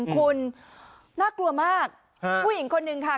คุณน่ากลัวมากผู้หญิงคนหนึ่งค่ะ